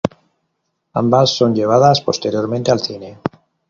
Ambas son llevadas posteriormente al cine.